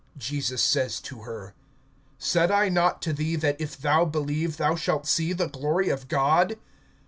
(40)Jesus says to her: Said I not to thee, that, if thou believe, thou shalt see the glory of God?